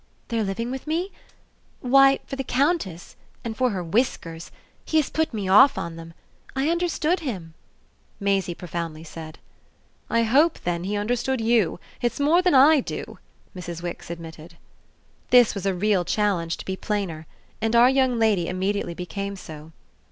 "Their living with me? Why for the Countess and for her whiskers! he has put me off on them. I understood him," Maisie profoundly said. "I hope then he understood you. It's more than I do!" Mrs. Wix admitted. This was a real challenge to be plainer, and our young lady immediately became so.